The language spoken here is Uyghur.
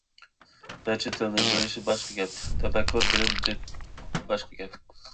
نەچچە تىلنى بىلىش باشقا گەپ، تەپەككۇر، بىلىم، دىت باشقا گەپ.